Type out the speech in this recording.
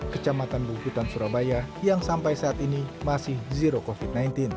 kecamatan bukutan surabaya yang sampai saat ini masih zero covid sembilan belas